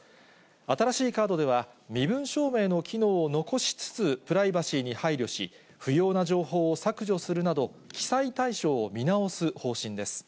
新しいカードでは、身分証明の機能を残しつつ、プライバシーに配慮し、不要な情報を削除するなど、記載対象を見直す方針です。